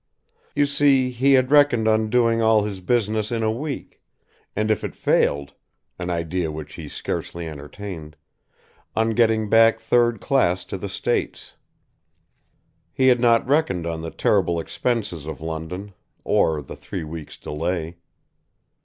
You see he had reckoned on doing all his business in a week, and if it failed an idea which he scarcely entertained on getting back third class to the States. He had not reckoned on the terrible expenses of London, or the three weeks delay.